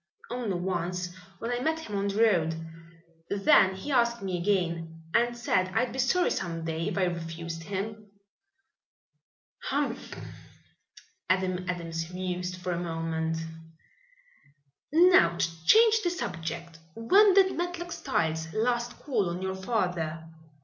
"Only once, when I met him on the road. Then he asked me again, and said I'd be sorry some day if I refused him." "Humph!" Adam Adams mused for a moment. "Now to change the subject. When did Matlock Styles last call on your father?"